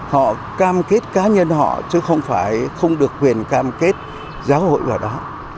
họ cam kết cá nhân họ chứ không phải không được quyền cam kết giáo hội vào đó